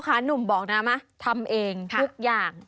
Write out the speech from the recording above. พ่อค้านุ่มบอกนะทำเองทุกอย่าง